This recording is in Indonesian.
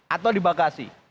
atau di bagasi